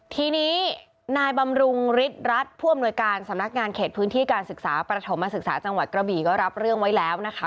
ทีนี้นายบำรุงฤทธิ์รัฐผู้อำนวยการสำนักงานเขตพื้นที่การศึกษาประถมศึกษาจังหวัดกระบี่ก็รับเรื่องไว้แล้วนะคะ